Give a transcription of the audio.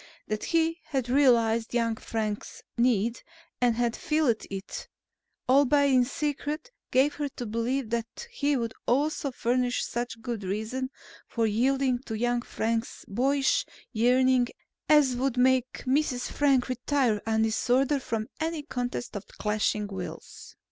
That he had realized young Frank's need and had filled it, albeit in secret, gave her to believe that he would also furnish such good reason for yielding to young Frank's boyish yearning as would make Mrs. Frank retire in disorder from any contest of clashing wills.